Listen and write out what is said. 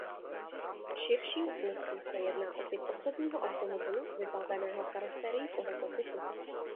V širším smyslu se jedná o typ osobního automobilu vybaveného karoserií tohoto typu.